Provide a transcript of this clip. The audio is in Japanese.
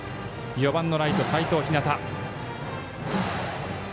４番のライト、齋藤陽。